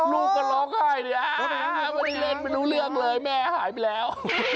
ลูกก็ร้องไห้เลยไม่ได้เล่นไม่รู้เรื่องเลยแม่หายไปแล้ว